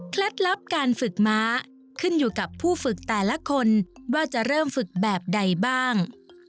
ลับการฝึกม้าขึ้นอยู่กับผู้ฝึกแต่ละคนว่าจะเริ่มฝึกแบบใดบ้าง